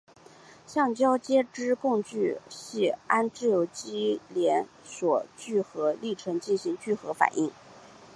橡胶接枝共聚系按自由基链锁聚合历程进行聚合反应。